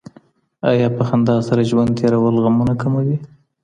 ایا په خندا سره ژوند تېرول غمونه کموي؟